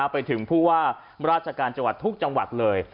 ไปถึงผู้ว่าราชการจังหวัดทุกจังหวัดเลย